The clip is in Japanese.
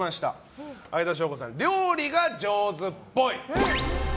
相田翔子さん、料理が上手っぽい。